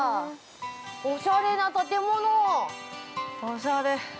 おしゃれな建物。◆おしゃれ。